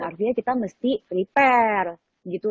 artinya kita mesti prepare